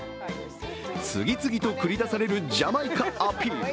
次々と繰り出されるジャマイカアピール。